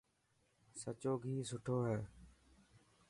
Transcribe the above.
سچو گهي سٺو هي.